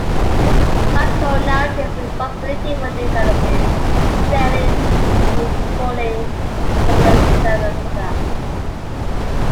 Sitecore now takes responsibility for developing, selling, and supporting the Commerce Server product.